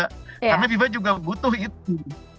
karena viva juga butuh itu